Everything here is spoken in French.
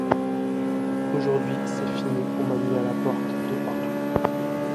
Aujourd'hui, c'est fini, on m'a mis à la porte de partout.